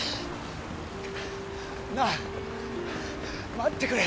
なあ待ってくれよ